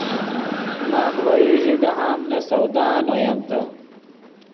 ماخ ڤے یو ژے دہام نے سودان اویمتے